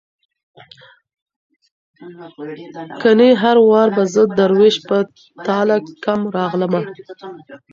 کنې هر وار به زه دروېش په تاله کم راغلمه